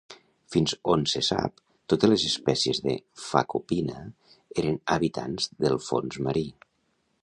Fins on se sap, totes les espècies de Phacopina eren habitants del fons marí.